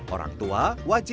orang tua wajib mengawasi anak